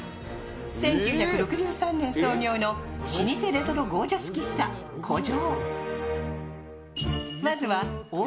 １９６３年創業の老舗レトロゴージャス喫茶・古城。